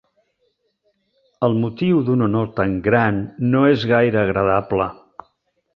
El motiu d'un honor tan gran no és gaire agradable.